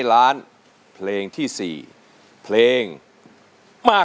กลับไปก่อนที่สุดท้าย